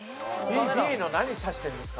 Ｂの何指してるんですか？